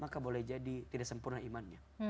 maka boleh jadi tidak sempurna imannya